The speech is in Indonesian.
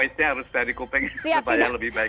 ya maaf ini pertama poinnya harus dari kuping supaya lebih baik